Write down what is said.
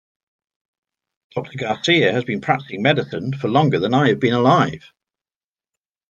Doctor Garcia has been practicing medicine for longer than I have been alive.